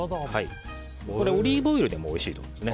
これはオリーブオイルでもおいしいと思います。